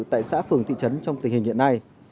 tại xã phường thị trấn trong tình hình hiện nay